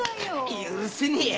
許せねえや！